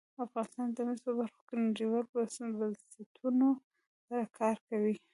افغانستان د مس په برخه کې نړیوالو بنسټونو سره کار کوي.